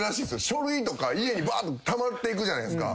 書類とか家にたまっていくじゃないですか。